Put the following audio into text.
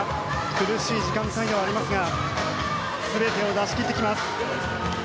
苦しい時間帯ではありますが全てを出しきってきます。